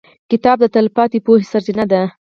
• کتاب د تلپاتې پوهې سرچینه ده.